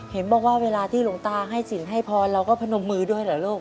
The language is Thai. เห็นบอกว่าเวลาที่หลวงตาให้สินให้พรเราก็พนมมือด้วยเหรอลูก